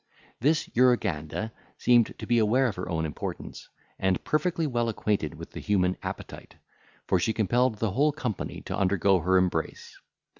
This Urganda seemed to be aware of her own importance, and perfectly well acquainted with the human appetite; for she compelled the whole company to undergo her embrace.